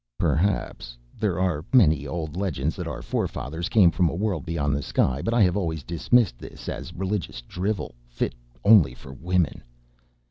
"Perhaps. There are many old legends that our forefathers came from a world beyond the sky, but I have always dismissed this as religious drivel, fit only for women."